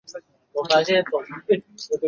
著名的印加古迹马丘比丘位于本大区。